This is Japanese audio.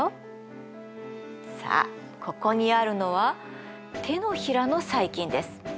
さあここにあるのは手のひらの細菌です。